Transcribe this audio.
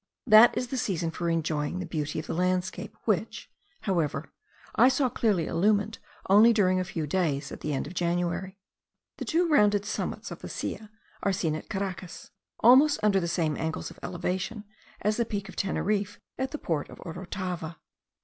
That is the season for enjoying the beauty of the landscape, which, however, I saw clearly illumined only during a few days at the end of January. The two rounded summits of the Silla are seen at Caracas, almost under the same angles of elevation* as the peak of Teneriffe at the port of Orotava.